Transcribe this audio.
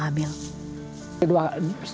namun dia juga mendapatkan dokter selama hamil